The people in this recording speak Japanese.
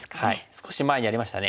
少し前にやりましたね。